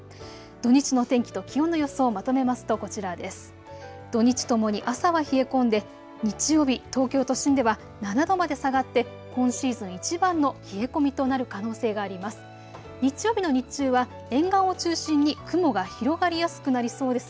土日ともに朝は冷え込んで日曜日、東京都心では７度まで下がって今シーズンいちばんの冷え込みとなる可能性があります。